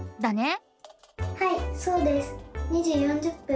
はいそうです。